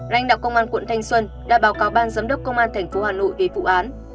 lãnh đạo công an quận thanh xuân đã báo cáo ban giám đốc công an tp hà nội về vụ án